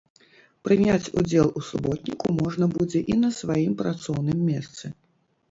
Прыняць удзел у суботніку можна будзе і на сваім працоўным месцы.